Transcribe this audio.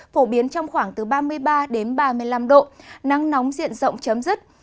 phổ biến trong khoảng từ ba mươi ba đến ba mươi năm độ nắng nóng diện rộng chấm dứt